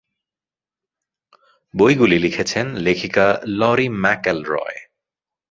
বইগুলি লিখেছেন লেখিকা লরি ম্যাকএলরয়।